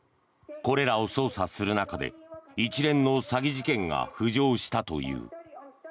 これらを捜査する中で一連の詐欺事件が浮上したという。